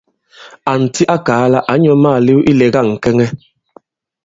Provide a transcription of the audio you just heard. Ànti a kàa lā ǎ nyɔ̄ àma màlew ilɛ̀ga ŋ̀kɛŋɛ.